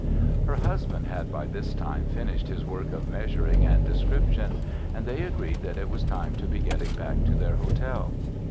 Her husband had by this time finished his work of measuring and description, and they agreed that it was time to be getting back to their hotel.